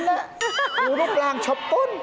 ดูรูปร่างชบต้น